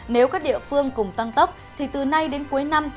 nếu các địa phương cùng tăng tốc thì từ nay đến cuối năm